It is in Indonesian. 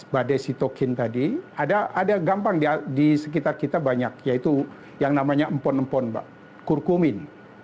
badai sitokin tadi ada gampang di sekitar kita banyak yaitu yang namanya empon empon mbak kurkumin